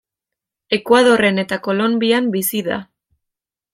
Ekuadorren eta Kolonbian bizi da.